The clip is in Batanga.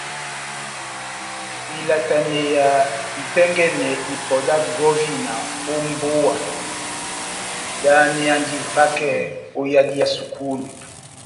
Ilataneya itɛ́ngɛ́nɛ ipɔ dá gɔvina ó mbówa dáháneyandi vakɛ ó yadi yá sukulu.